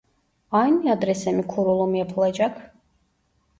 Aynı adrese mi kurulum yapılacak?